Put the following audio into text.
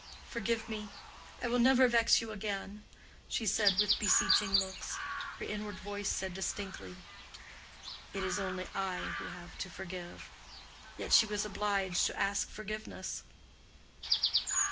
"Forgive me; I will never vex you again," she said, with beseeching looks. Her inward voice said distinctly—"It is only I who have to forgive." Yet she was obliged to ask forgiveness.